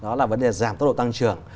đó là vấn đề giảm tốc độ tăng trưởng